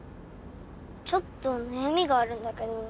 ちょっと悩みがあるんだけど。